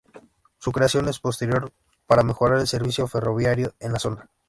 Su creación es posterior para mejorar el servicio ferroviario en la zona.